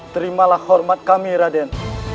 terimalah hormat kami raden